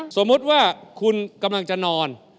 สมมุติว่าคุณกำลังจะนอน